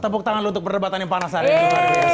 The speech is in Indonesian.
tepuk tangan lu untuk perdebatan yang panas hari ini